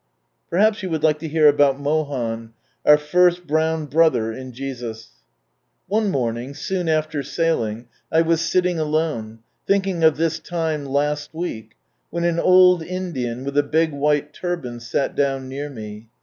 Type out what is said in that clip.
" Perhaps you would like to hear about Mohan, our first brown brother in )■ One morning, soon after sailing, I was sitting alone, thinking of " this time last week." when an old Indian, with a big white turban, sat down near me.